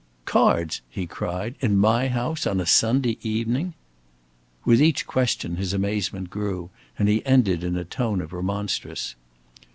"Cards!" he cried. "In my house? On a Sunday evening?" With each question his amazement grew, and he ended in a tone of remonstrance.